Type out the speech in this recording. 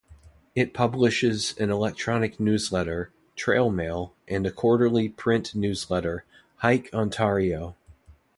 It publishes an electronic newsletter, "Trail Mail" and a quarterly print newsletter, "Hike Ontario".